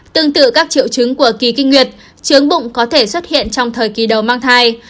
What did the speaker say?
tương tự các triệu chứng của kỳ kinh nguyệt trứng bụng có thể xuất hiện trong thời kỳ đầu mang thai